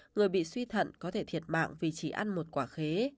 người bị suy thận có thể thiệt mạng vì chỉ ăn một quả khế